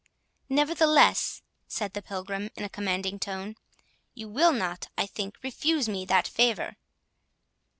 "Nevertheless," said the Pilgrim, in a commanding tone, "you will not, I think, refuse me that favour."